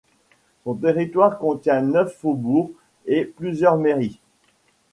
Son territoire contient neuf faubourgs et plusieurs mairies.